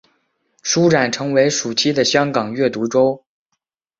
书展成为暑期的香港阅读周。